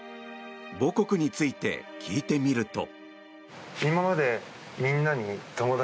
母国について聞いてみると。